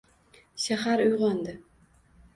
Shahar uygʻondi.